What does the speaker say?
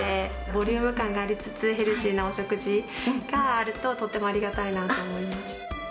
ボリューム感がありつつヘルシーなお食事があると、とてもありがたいなと思います。